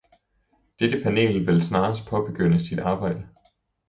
Dette panel vil snarest påbegynde sit arbejde.